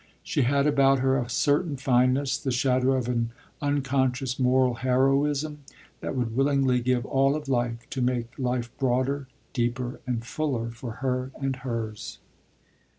She had about her a certain fineness, the shadow of an unconscious moral heroism that would willingly give all of life to make life broader, deeper, and fuller for her and hers.